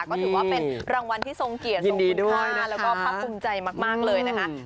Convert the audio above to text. ก็ถือว่าเป็นรางวัลที่ทรงเกียรติทรงผู้ค่าแล้วก็พรรคกรุมใจมากเลยนะคะ